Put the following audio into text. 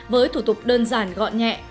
với thủ tục đơn giản gọn nhẹ